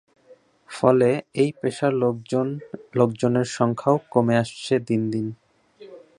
ফলে এই পেশার লোকজনের সংখ্যাও কমে আসছে দিন দিন।